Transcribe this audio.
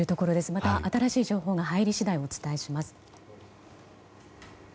また新しい情報が入り次第お伝えします。